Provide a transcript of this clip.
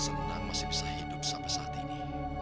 senang masih bisa hidup sampai saat ini